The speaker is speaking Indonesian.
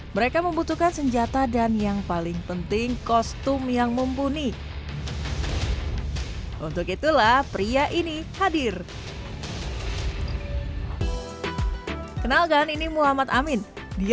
mereka membutuhkan senjata dan yang paling penting kostum yang mumpuni hadir